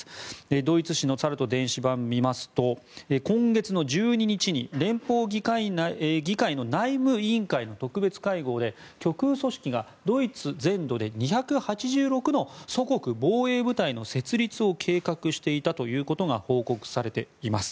ドイツ紙のツァルト電子版を見ますと今月の１２日に連邦議会の内務委員会の特別会合で極右組織がドイツ全土で２８６の祖国防衛部隊の設立を計画していたということが報告されています。